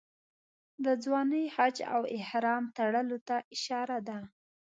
د ځوانۍ حج او احرام تړلو ته اشاره ده.